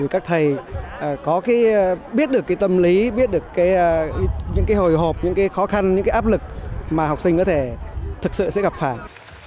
các thầy biết được tâm lý biết được những hồi hộp những khó khăn những cái áp lực mà học sinh có thể thực sự sẽ gặp phải